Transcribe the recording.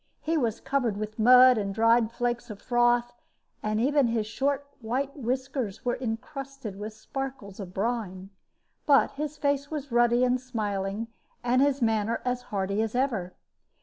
He was covered with mud and dried flakes of froth, and even his short white whiskers were incrusted with sparkles of brine; but his face was ruddy and smiling, and his manner as hearty as ever.